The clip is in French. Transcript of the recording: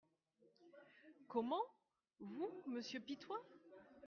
Comment !… vous, monsieur Pitois ?